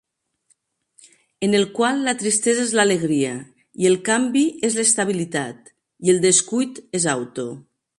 En el qual la tristesa és l'alegria, i el canvi és l'estabilitat, i el descuit és auto.